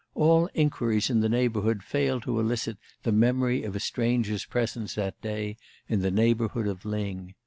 All inquiries in the neighborhood failed to elicit the memory of a stranger's presence that day in the neighborhood of Lyng.